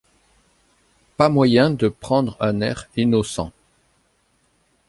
Pas moyen de prendre un air innocent.